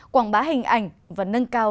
quảng bá hình ảnh và nâng cao